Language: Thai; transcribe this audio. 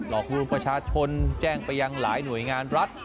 หลอกลวงประชาชนแจ้งไปยังหลายหน่วยงานรัฐ